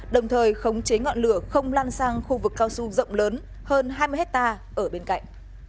đồng thời khống chế ngọn lửa không lan sang khu vực cao su rộng lớn hơn hai mươi hectare ở bên cạnh